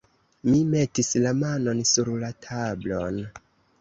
Mi metis la manon sur la tablon.